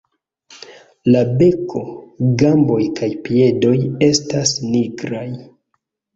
La beko, gamboj kaj piedoj estas nigraj.